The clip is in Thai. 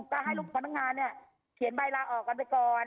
ก็ให้ลูกพนักงานเนี่ยเขียนใบลาออกกันไปก่อน